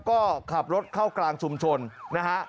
ก็ขับรถเข้ากลางชุมชนนะฮะ